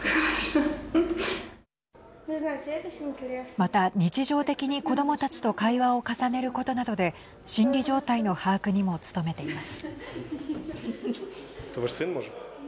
また、日常的に子どもたちと会話を重ねることなどで心理状態の把握にも努めています。